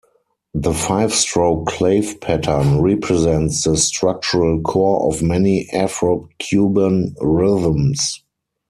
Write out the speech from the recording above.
The five-stroke clave pattern represents the structural core of many Afro-Cuban rhythms.